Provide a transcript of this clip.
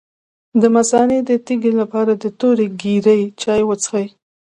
د مثانې د تیږې لپاره د تورې ږیرې چای وڅښئ